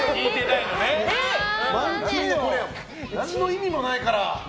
何の意味もないから。